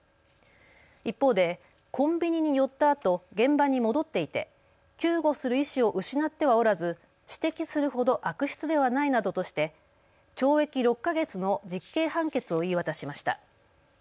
一方でコンビニに寄ったあと現場に戻っていて救護する意思を失ってはおらず指摘するほど悪質ではないなどとして懲役６か月の実刑判決を言い渡しました。